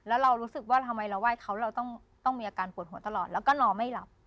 แล้วเรารู้สึกว่าทำไมเราไห้เขาเราต้องมีอาการปวดหัวตลอดแล้วก็นอนไม่หลับ